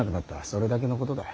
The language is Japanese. それだけのことだ。